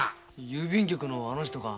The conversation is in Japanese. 郵便局のあの人か？